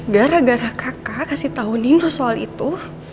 gara gara kakak kasih tau nino soal itu